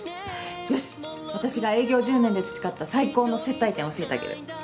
よし私が営業１０年で培った最高の接待店教えてあげる。